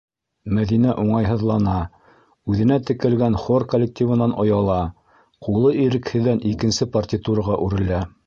Мәҙинә уңайһыҙлана, үҙенә текәлгән хор коллективынан ояла, ҡулы ирекһеҙҙән икенсе партитураға үрелә: